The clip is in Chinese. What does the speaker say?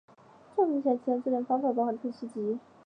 重症下其他治疗方法包含透析及。